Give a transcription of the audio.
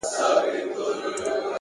ارام ذهن غوره پرېکړې کوي